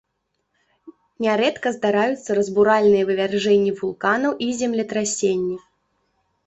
Нярэдка здараюцца разбуральныя вывяржэнні вулканаў і землетрасенні.